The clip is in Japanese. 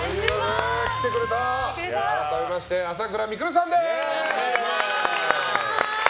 改めまして朝倉未来さんです！